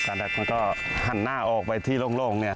การที่มันก็หันหน้าออกไปที่โล่งนี่